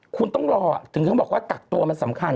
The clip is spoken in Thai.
คุณต้องรอถึงเขาบอกว่ากักตัวมันสำคัญ